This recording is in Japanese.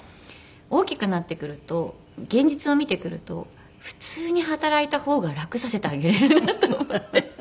大きくなってくると現実を見てくると普通に働いた方が楽させてあげれるなと思って。